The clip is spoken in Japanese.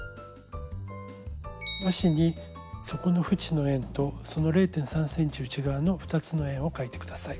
和紙に底のふちの円とその０．３ｃｍ内側の２つの円を描いて下さい。